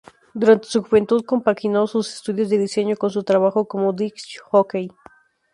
Durante su juventud compaginó sus estudios de diseño con su trabajó como disc-jockey.